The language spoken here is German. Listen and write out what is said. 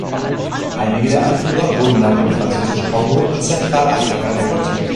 Einige der Anführer wurden nach dem Französisch-Kongo und Zentralafrika deportiert.